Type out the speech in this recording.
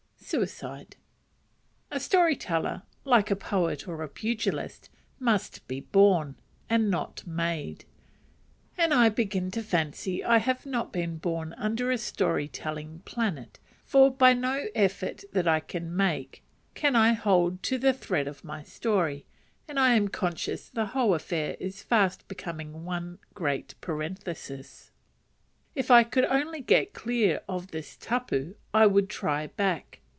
Suicide. A story teller, like a poet or a pugilist, must be born, and not made, and I begin to fancy I have not been born under a story telling planet, for by no effort that I can make can I hold on to the thread of my story, and I am conscious the whole affair is fast becoming one great parenthesis. If I could only get clear of this tapu I would "try back."